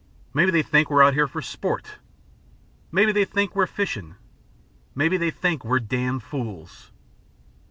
"Maybe they think we're out here for sport! Maybe they think we're fishin'. Maybe they think we're damned fools."